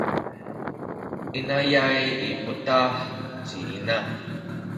inayay i putah ci ina.